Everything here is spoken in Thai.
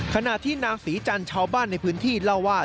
ขณะที่นางศรีจันทร์ชาวบ้านในพื้นที่เล่าว่า